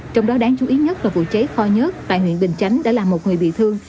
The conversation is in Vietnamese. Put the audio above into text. trong đó đáng chú ý nhất là vụ cháy kho nhất tại huyện bình chánh đã làm một người bị thương